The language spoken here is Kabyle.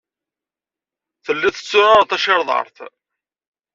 Tellid tetturared tacirḍart.